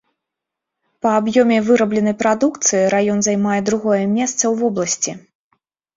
Па аб'ёме вырабленай прадукцыі раён займае другое месца ў вобласці.